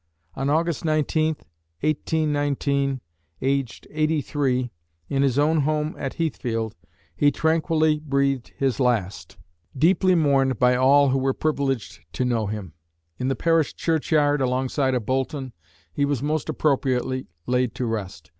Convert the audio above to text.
On August 19, 1819, aged 83, in his own home at Heathfield, he tranquilly breathed his last, deeply mourned by all who were privileged to know him. In the parish churchyard, alongside of Boulton, he was most appropriately laid to rest.